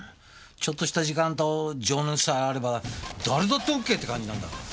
ちょっとした時間と情熱さえあれば誰だってオッケーって感じなんだから。